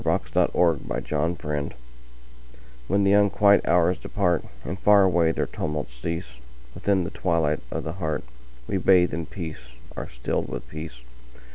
134. The Hour of Twilight WHEN the unquiet hours departAnd far away their tumults cease, Within the twilight of the heartWe bathe in peace, are stilled with peace.